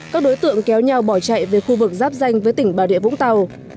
các đối tượng kéo nhau bỏ chạy về khu vực giáp danh với tỉnh bà rịa vũng tàu